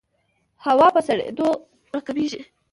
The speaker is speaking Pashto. هوا په سړېدو راکمېږي.